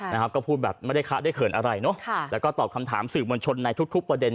นะครับก็พูดแบบไม่ได้คะได้เขินอะไรเนอะค่ะแล้วก็ตอบคำถามสื่อมวลชนในทุกทุกประเด็น